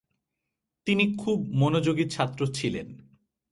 তিনি খুব মনোযোগী ছাত্র ছিলেন।